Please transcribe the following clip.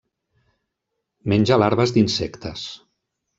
Menja larves d'insectes.